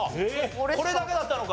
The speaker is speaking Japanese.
これだけだったのか。